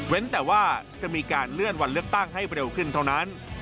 แต่ว่าจะมีการเลื่อนวันเลือกตั้งให้เร็วขึ้นเท่านั้น